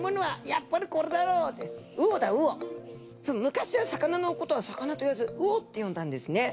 昔は魚のことは魚と言わず魚ってよんだんですね。